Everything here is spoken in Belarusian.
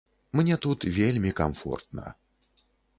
Мне тут вельмі камфортна.